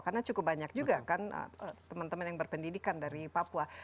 karena cukup banyak juga kan teman teman yang berpendidikan dari papua